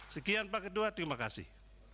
sekian pak kedua terima kasih